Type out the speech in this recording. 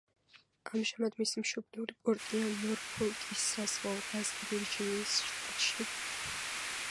ამჟამად მისი მშობლიური პორტია ნორფოლკის საზღვაო ბაზა ვირჯინიის შტატში.